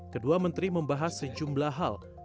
kedua menteri membahas sejumlah hal